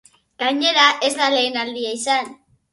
Gainera, ez da lehen aldia izan.